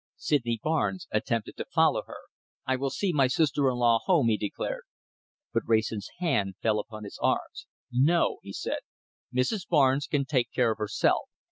Sydney Barnes attempted to follow her. "I will see my sister in law home," he declared; but Wrayson's hand fell upon his arm. "No!" he said. "Mrs. Barnes can take care of herself.